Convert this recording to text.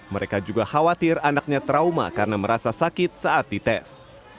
mereka juga khawatir anaknya trauma karena merasa sakit saat dites